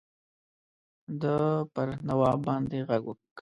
ده پر نواب باندي ږغ کړی.